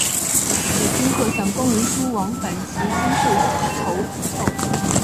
几经各项公文书往返及经费筹凑。